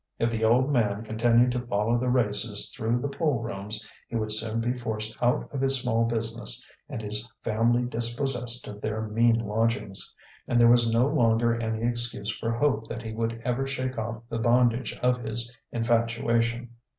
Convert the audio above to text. If the Old Man continued to follow the races through the poolrooms, he would soon be forced out of his small business and his family dispossessed of their mean lodgings; and there was no longer any excuse for hope that he would ever shake off the bondage of his infatuation.